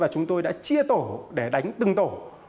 chúng tôi đã chia tổ để đánh từng tổ